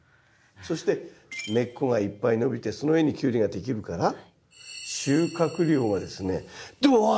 そして根っこがいっぱい伸びてその上にキュウリができるから収穫量がですねどわ